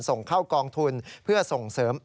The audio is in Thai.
ส่งเข้ากองทุนเพื่อส่งเสริม